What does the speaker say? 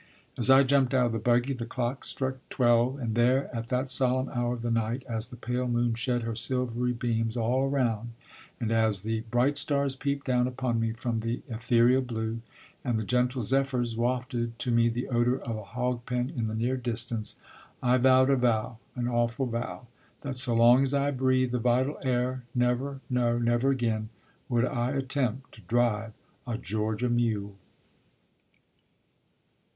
As I jumped out of the buggy the clock struck twelve. And there at that solemn hour of the night, as the pale moon shed her silvery beams all around and as the bright stars peeped down upon me from the ethereal blue, and the gentle zephyrs wafted to me the odor of a hog pen in the near distance, I vowed a vow, an awful vow, that so long as I breathed the vital air, never, no, never again, would I attempt to drive a Georgia mule.